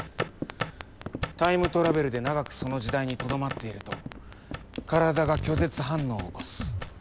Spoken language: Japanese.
タイムトラベルで長くその時代にとどまっていると体が拒絶反応を起こす。